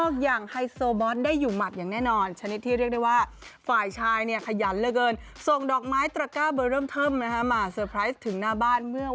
ค่ะ